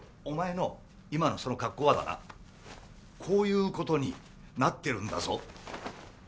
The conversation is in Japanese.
お前の今のその格好はだなこういうことになってるんだぞ。